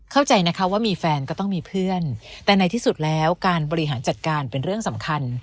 เข้าใจนะคะว่ามีแฟนก็ต้องมีเพื่อนแต่ในที่สุดแล้วการบริหารจัดการเป็นเรื่องสำคัญ